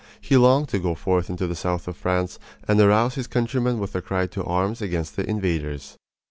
He longed to go forth into the south of France and arouse his countrymen with a cry to arms against the invaders.